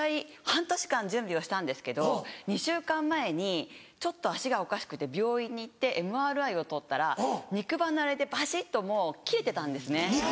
半年間準備をしたんですけど２週間前にちょっと足がおかしくて病院に行ってＭＲＩを撮ったら肉離れでバシっともう切れてたんですね。